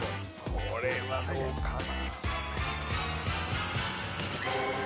これはどうかな